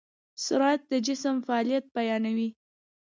سرعت د جسم فعالیت بیانوي.